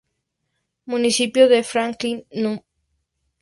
Municipio de Franklin No.